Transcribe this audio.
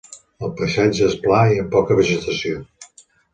El paisatge és pla i amb poca vegetació.